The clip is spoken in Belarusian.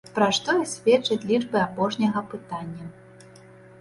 Пра што і сведчаць лічбы апошняга апытання.